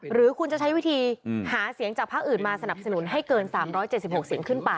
หรือคุณจะใช้วิธีหาเสียงจากภาคอื่นมาสนับสนุนให้เกิน๓๗๖เสียงขึ้นไป